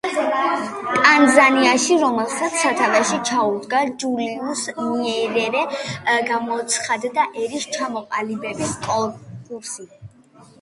ტანზანიაში, რომელსაც სათავეში ჩაუდგა ჯულიუს ნიერერე, გამოცხადდა ერის ჩამოყალიბების კურსი.